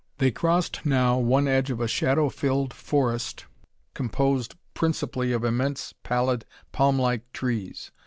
They crossed now one edge of a shadow filled forest composed principally of immense, pallid palmlike trees.